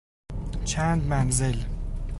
چند منزل